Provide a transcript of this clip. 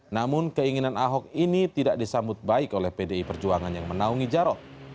namun keinginan ahok ini tidak disambut baik oleh pdi perjuangan yang menaungi jarod